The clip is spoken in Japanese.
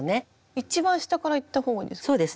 一番下からいったほうがいいです？